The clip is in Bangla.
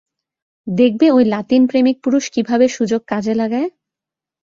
দেখবে ঐ লাতিন প্রেমিকপুরুষ কীভাবে সুযোগ কাজে লাগায়?